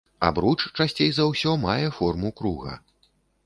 Абруч часцей за ўсе мае форму круга.